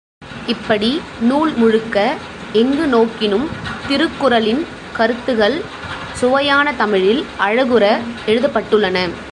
இப்படி நூல் முழுக்க எங்கு நோக்கினும் திருக்குறளின் கருத்துகள் சுவையான தமிழில் அழகுற எழுதப்பட்டுள்ளன.